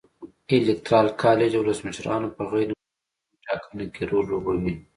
الېکترال کالج د ولسمشرانو په غیر مستقیمه ټاکنه کې رول لوبوي.